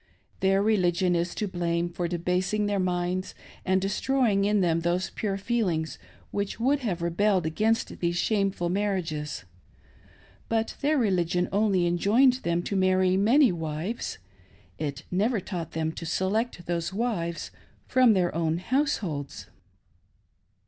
Their reli gion is to blame for debasing their minds and destroying in them those pure feelings which would have rebelled against these shameful marriages ; but their religion only enjoined them to marry many wives ; it never taught them to select those wives from their own households.